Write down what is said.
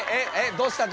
どうした？